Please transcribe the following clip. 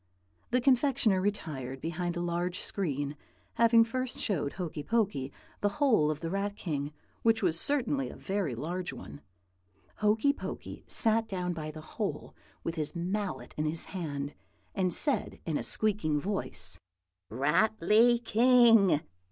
"The confectioner retired behind a large screen, having first showed Hokey Pokey the hole of the Rat King, which was certainly a very large one. Hokey Pokey sat down by the hole, with his mallet in his hand, and said in a squeaking voice, 'Ratly King!